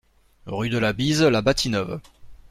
Rue de la Bise, La Bâtie-Neuve